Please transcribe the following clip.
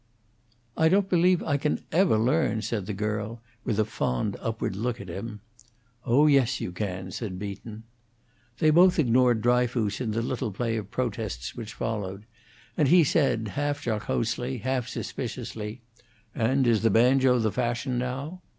"I don't believe I can ever learn," said the girl, with a fond upward look at him. "Oh yes, you can," said Beaton. They both ignored Dryfoos in the little play of protests which followed, and he said, half jocosely, half suspiciously, "And is the banjo the fashion, now?"